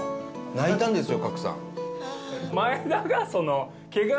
泣いたんですよ、賀来さん。